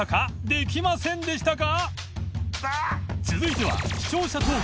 できませんでしたか？